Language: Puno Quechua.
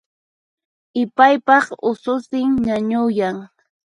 Ipaypaq ususin ñañuyan